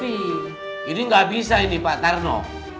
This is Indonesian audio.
ini gak bisa ini pak terno